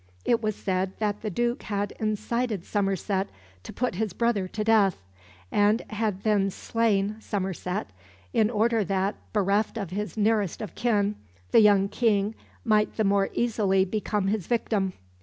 It was said that the Duke had incited Somerset to put his brother to death, and had then slain Somerset, in order that, bereft of his nearest of kin, the young King might the more easily become his victim.